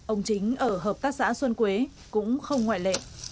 ông chính ở hợp tác xã xuân quế cũng không ngoại lệ